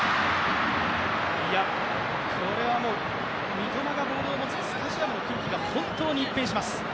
三笘がボールを持つとスタジアムの雰囲気が本当に一変します。